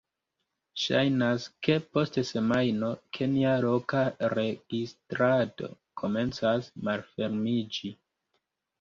ŝajnas, ke post semajno, ke nia loka registrado komencas malfermiĝi